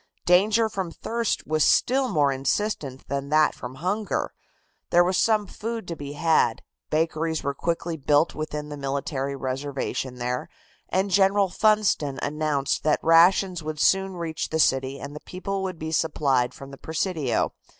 Danger from thirst was still more insistent than that from hunger. There was some food to be had, bakeries were quickly built within the military reservation there, and General Funston announced that rations would soon reach the city and the people would be supplied from the Presidio.